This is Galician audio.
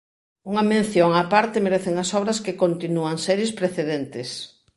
Unha mención á parte merecen as obras que continúan series precedentes.